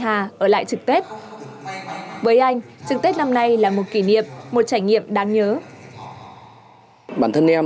hà ở lại trực tết với anh trực tết năm nay là một kỷ niệm một trải nghiệm đáng nhớ bản thân nếu